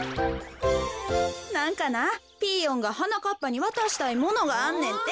なんかなピーヨンがはなかっぱにわたしたいものがあんねんて。